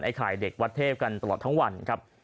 ไข่เด็กวัดเทพกันตลอดทั้งวันครับ